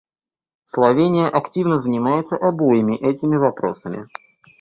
Словения активно занимается обоими этими вопросами.